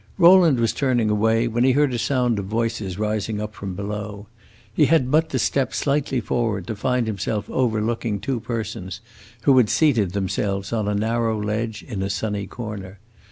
Rowland was turning away, when he heard a sound of voices rising up from below. He had but to step slightly forward to find himself overlooking two persons who had seated themselves on a narrow ledge, in a sunny corner.